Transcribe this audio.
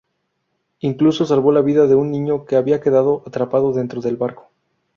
Incluso salvó la vida de un niño que había quedado atrapado dentro del barco.